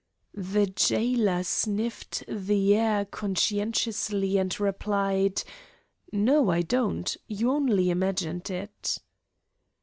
The jailer sniffed the air conscientiously and replied: "No I don't. You only imagined it."